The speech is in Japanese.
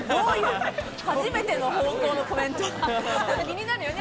初めての方向のコメント。